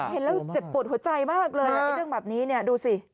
เห็นแล้วเจ็บปวดหัวใจมากเลยเรื่องแบบนี้เนี่ยดูสิ